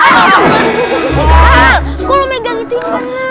mister mister duduk duduk